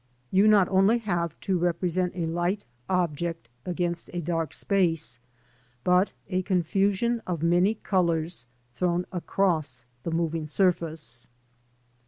You not only have to represent a light object against a dark space, but a confusion of many colours thrown across the moving surface.